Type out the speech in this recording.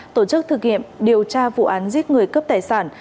tổ chức thực hiện điều tra vụ án giết người cướp tài sản